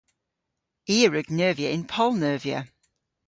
I a wrug neuvya yn poll-neuvya.